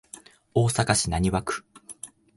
大阪市浪速区